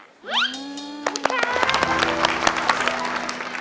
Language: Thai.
ขอบคุณครับ